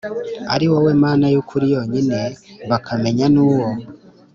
Ari wowe mana y ukuri yonyine bakamenya n uwo